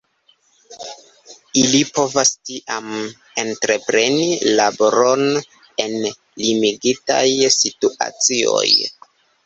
Ili povas tiam entrepreni laboron en limigitaj situacioj.